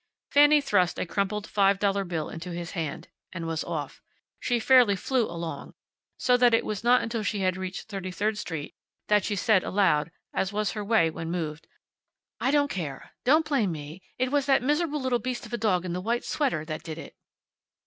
Fanny thrust a crumpled five dollar bill into his hand. And was off. She fairly flew along, so that it was not until she had reached Thirty third street that she said aloud, as was her way when moved, "I don't care. Don't blame me. It was that miserable little beast of a dog in the white sweater that did it."